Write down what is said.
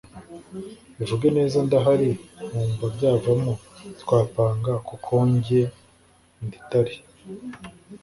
ivuge neza ndahari nkumva byavamo twapanga kukonge nditari